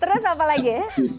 terus apa lagi